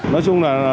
nói chung là